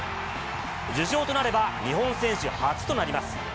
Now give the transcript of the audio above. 受賞となれば、日本選手初となります。